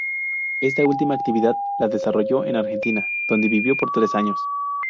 Esta última actividad la desarrolló en Argentina, donde vivió por tres años.